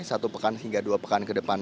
satu pekan hingga dua pekan ke depan